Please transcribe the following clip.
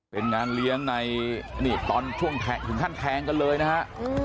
เป็นงานเลี้ยงในนี่ตอนช่วงถึงขั้นแทงกันเลยนะฮะ